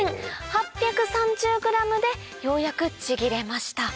８３０ｇでようやくちぎれました